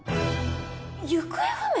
行方不明！？